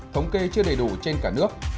thống kê chưa đầy đủ trên cả nước